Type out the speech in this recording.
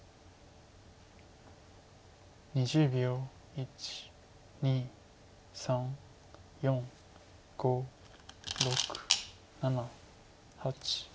１２３４５６７８。